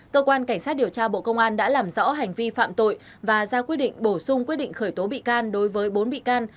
cơ quan cảnh sát điều tra bộ công an đã làm rõ hành vi phạm tội và ra quyết định bổ sung quyết định khởi tố bị can đối với bốn bị can